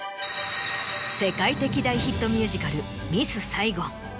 世界的大ヒットミュージカル『ミス・サイゴン』。